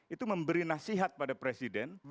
itu memberi nasihat pada presiden